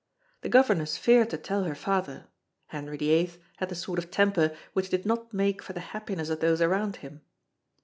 The governess feared to tell her father Henry VIII had the sort of temper which did not make for the happiness of those around him.